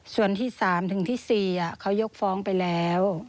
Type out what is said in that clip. ส่วนที่๓ถึงที่๔เขายกฟ้องไปแล้ว